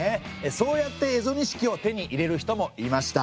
そうやって蝦夷錦を手に入れる人もいました。